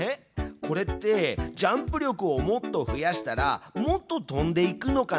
これってジャンプ力をもっと増やしたらもっととんでいくのかな？